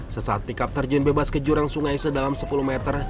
sesaat pickup terjun bebas ke jurang sungai sedalam sepuluh meter